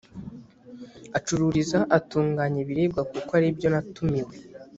acururiza atunganya ibiribwa kuko ari ibyo natumiwe